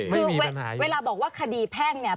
เวลาบอกว่าคดีแพ่งนี่